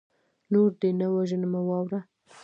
نور دې نه وژنمه واوره